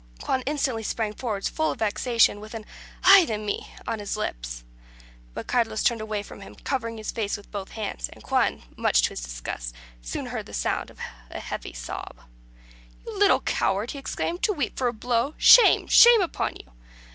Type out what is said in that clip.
Juan instantly sprang forward, full of vexation, with an "Ay de mi!" on his lips. But Carlos turned away from him, covering his face with both hands; and Juan, much to his disgust, soon heard the sound of a heavy sob. "You little coward!" he exclaimed, "to weep for a blow. Shame shame upon you."